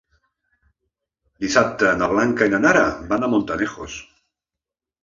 Dissabte na Blanca i na Nara van a Montanejos.